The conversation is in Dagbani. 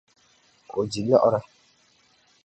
O di liɣri.